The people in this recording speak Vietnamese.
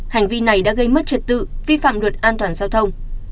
hải đã gây mất trật tự vi phạm luật an toàn giao thông